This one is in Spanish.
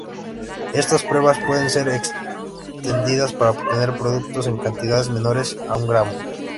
Estas pruebas pueden ser extendidas para obtener productos en cantidades menores a un gramo.